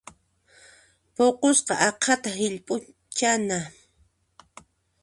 Puqusqa aqhata hillp'uchana.